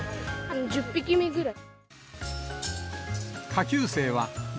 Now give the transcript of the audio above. １０匹目ぐらい。